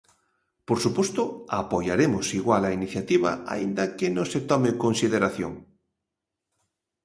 Por suposto, apoiaremos igual a iniciativa, aínda que non se tome en consideración.